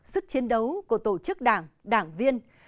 sức chiến đấu của tổ chức đảng đảng viên